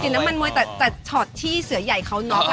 กลิ่นน้ำมันมวยแต่ฉอดที่เสือใหญ่เขาน็อคอ่ะ